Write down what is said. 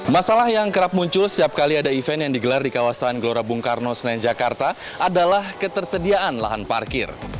masalah yang kerap muncul setiap kali ada event yang digelar di kawasan gbk adalah ketersediaan lahan parkir